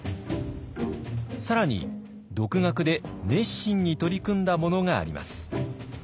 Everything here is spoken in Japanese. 更に独学で熱心に取り組んだものがあります。